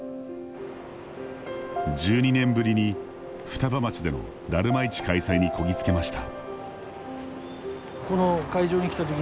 １２年ぶりに双葉町でのダルマ市開催にこぎつけました。